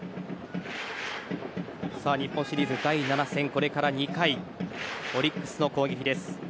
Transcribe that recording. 日本シリーズ第７戦これから２回オリックスの攻撃です。